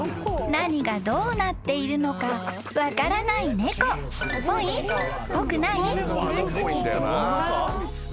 ［何がどうなっているのか分からない猫］ぽいんだよな。